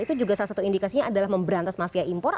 itu juga salah satu indikasinya adalah memberantas mafia impor